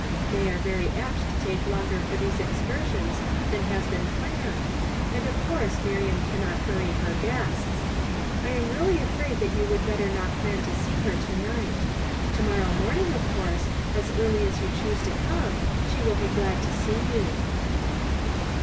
"They are very apt to take longer for these excursions than has been planned, and of course Miriam cannot hurry her guests. I am really afraid that you would better not plan to see her to night. To morrow morning, of course, as early as you choose to come, she will be glad to see you."